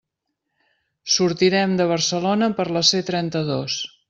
Sortirem de Barcelona per la C trenta-dos.